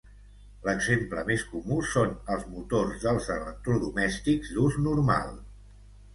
L'exemple més comú són els motors dels electrodomèstics d'ús normal.